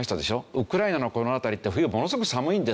ウクライナのこの辺りって冬ものすごく寒いんですよね。